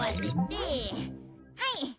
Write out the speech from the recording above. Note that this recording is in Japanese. はい。